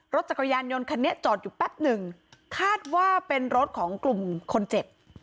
รถจักรยานยนต์คันนี้จอดอยู่แป๊บหนึ่งคาดว่าเป็นรถของกลุ่มคนเจ็บ